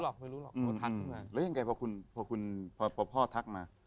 แล้วยังไงพอพ่อทักมา